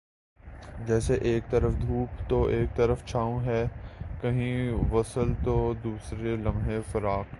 جیسے ایک طرف دھوپ تو ایک طرف چھاؤں ہے کہیں وصل تو دوسرے لمحےفراق